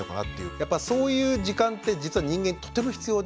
やっぱそういう時間って実は人間とても必要で。